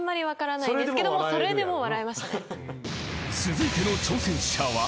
［続いての挑戦者は］